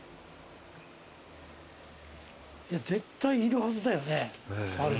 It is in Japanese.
絶対いるはずだよね申。